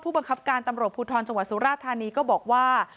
บังคับการตำรวจภูทรจังหวัดสุราธานีก็บอกว่า